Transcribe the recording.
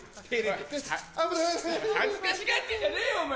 恥ずかしがってんじゃねえよお前。